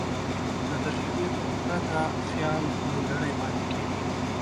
له تجربې پرته خیال نیمګړی پاتې کېږي.